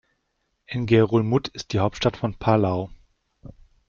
Ngerulmud ist die Hauptstadt von Palau.